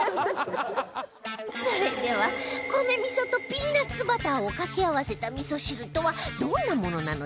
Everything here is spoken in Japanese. それでは米味噌とピーナッツバターを掛け合わせた味噌汁とはどんなものなのでしょう？